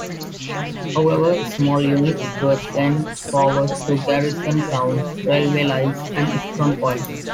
However, small units were sent forward to garrison towns, railway lines and strongpoints.